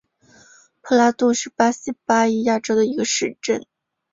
普拉杜是巴西巴伊亚州的一个市镇。